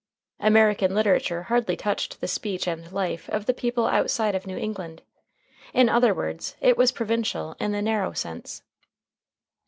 American literature hardly touched the speech and life of the people outside of New England; in other words, it was provincial in the narrow sense.